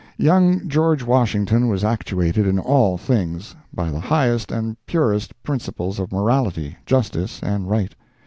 Young George Washington was actuated in all things, by the highest and purest principles of morality, justice and right.